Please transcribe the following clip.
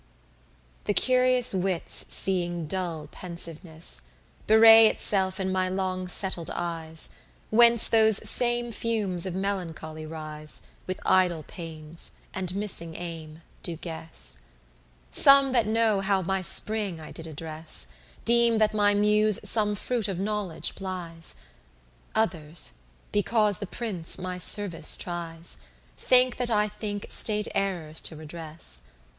23 The curious wits seeing dull pensiveness Bewray itself in my long settled eyes, Whence those same fumes of melancholy rise, With idle pains, and missing aim, do guess. Some that know how my spring I did address, Deem that my Muse some fruit of knowledge plies: Others, because the Prince my service tries, Think that I think state errors to redress.